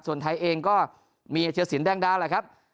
ส่วนไทยเองก็มีเชื้อสินแด้งดาวนะครับ